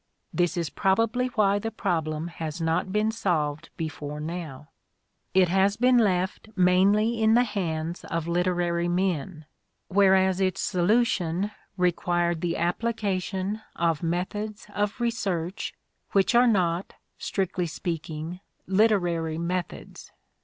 This is probably why the problem has not been solved before now. It has been left mainly in the hands of literary men. whereas its solution required the application INTRODUCTION 17 of methods of research which are not, strictly speaking, literary methods.